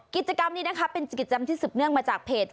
กิจกรรมนี้นะคะเป็นกิจกรรมที่สืบเนื่องมาจากเพจ